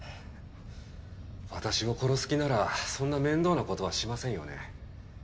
私を殺す気ならそんな面倒な事はしませんよね。